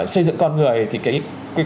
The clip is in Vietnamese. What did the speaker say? xây dựng con người thì cái